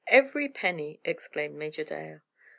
"Every penny," exclaimed Major Dale.